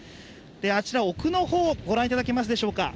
あちら、奥の方ご覧いただけますでしょうか。